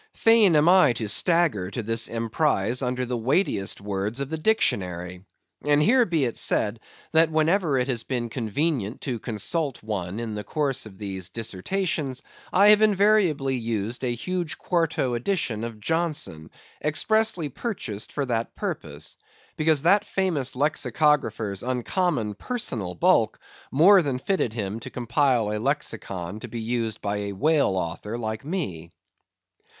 Fain am I to stagger to this emprise under the weightiest words of the dictionary. And here be it said, that whenever it has been convenient to consult one in the course of these dissertations, I have invariably used a huge quarto edition of Johnson, expressly purchased for that purpose; because that famous lexicographer's uncommon personal bulk more fitted him to compile a lexicon to be used by a whale author like me.